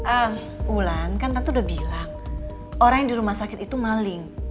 eh wulan kan tante udah bilang orang yang di rumah sakit itu maling